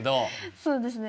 そうですね。